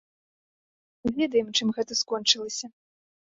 Ведаем, чым гэта скончылася.